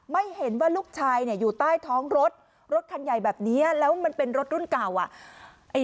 ไม่เห็นว่าลูกชายเนี่ยอยู่ใต้ท้องรถรถคันใหญ่แบบนี้แล้วมันเป็นรถรุ่นเก่าอ่ะ